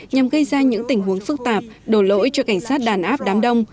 nhằm gây ra những tình huống phức tạp đổ lỗi cho cảnh sát đàn áp đám đông